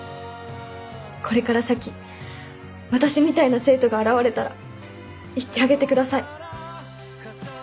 これから先私みたいな生徒が現れたら言ってあげてください。